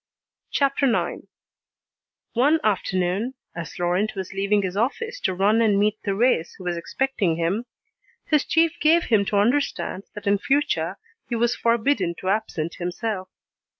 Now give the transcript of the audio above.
CHAPTER IX One afternoon, as Laurent was leaving his office to run and meet Thérèse who was expecting him, his chief gave him to understand that in future he was forbidden to absent himself.